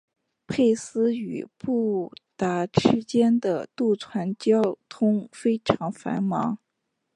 佩斯与布达之间的渡船交通非常繁忙。